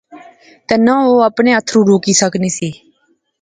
تہ نہ او اپنے اتھرو روکی سکنی سی